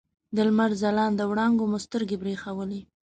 د لمر ځلانده وړانګو مو سترګې برېښولې.